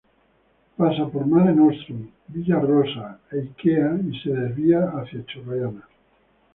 Pasa por Mare Nostrum, Villa Rosa e Ikea y se desvía hacia Churriana.